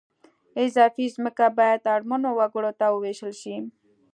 اضافي ځمکه باید اړمنو وګړو ته ووېشل شي